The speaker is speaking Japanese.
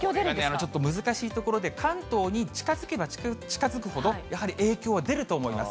ちょっと難しいところで、関東に近づけば近づくほど、やはり影響は出ると思います。